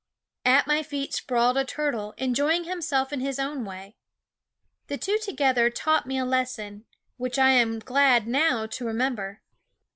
At my feet sprawled a turtle, enjoying himself in his own way. The two together taught me a lesson, which I am glad now to remember.